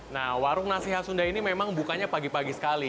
nah warung nasi khas sunda ini memang bukanya pagi pagi sekali